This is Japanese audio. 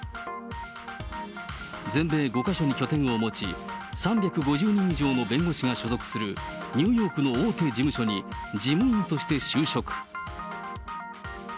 全米５か所に拠点を持ち、３５０人以上の弁護士が所属するニューヨークの大手事務所に事務員として就職。